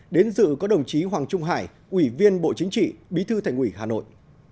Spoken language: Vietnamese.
đến dự có đồng chí hoàng trung hải ủy viên bộ chính trị bí thư thành ủy hà nội